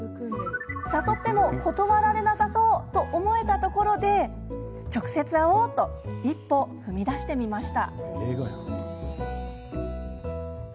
誘っても断られなさそうと思えたところで、直接会おうと一歩、踏み出してみました。